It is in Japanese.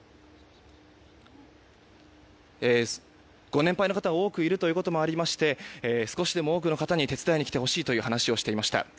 ご年配の方が多くいるということもありまして少しでも多くの方に手伝いに来てほしいという話をしていました。